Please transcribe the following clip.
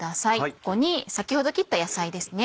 ここに先ほど切った野菜ですね。